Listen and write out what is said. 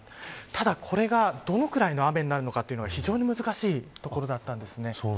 ただこれが、どれくらいの雨になるのかというのは非常に難しいところだったんです。